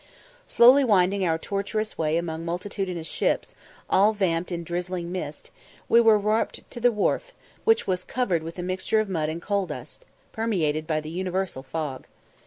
Slowly winding our tortuous way among multitudinous ships, all vamped in drizzling mist, we were warped to the wharf, which was covered with a mixture of mud and coal dust, permeated by the universal fog.